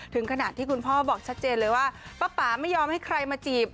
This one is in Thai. ถึงขนาดที่คุณพ่อบอกชัดเจนเลยว่าป้าป่าไม่ยอมให้ใครมาจีบ